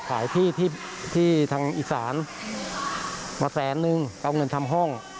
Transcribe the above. ขายที่ที่ทางอีสานมาแสนนึงเอาเงินทำห้อง